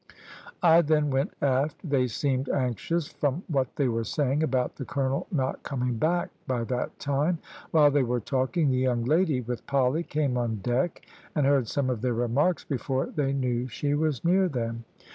I then went aft. They seemed anxious, from what they were saying, about the colonel not coming back by that time. While they were talking, the young lady, with Polly, came on deck, and heard some of their remarks before they knew she was near them.